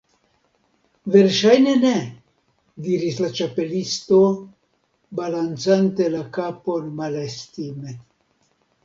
"Verŝajne ne," diris la Ĉapelisto, balancante la kapon malestime.